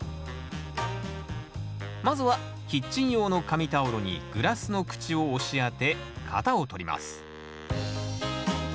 まずはキッチン用の紙タオルにグラスの口を押し当て型をとります